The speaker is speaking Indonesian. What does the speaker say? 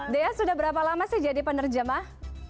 dea sudah berapa lama sih jadi penerjemah